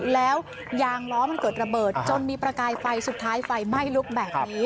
แล้วยางล้อมันเกิดระเบิดจนมีประกายไฟสุดท้ายไฟไหม้ลุกแบบนี้